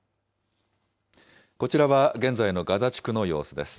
こちらは現在のガザ地区の様子です。